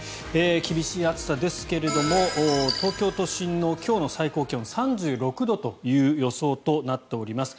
厳しい暑さですけれども東京都心の今日の最高気温は３６度という予想となっています。